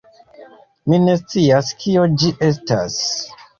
Mi ne scias kio ĝi estas.